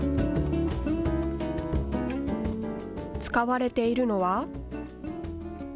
使われているのは。